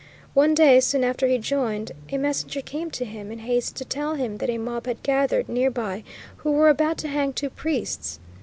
One day, soon after he joined, a messenger came to him in haste to tell him that a mob had gathered near by who were about to hang two priests.